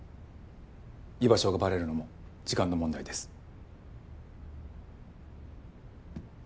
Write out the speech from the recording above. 居場所がバレるのも時間の問題です。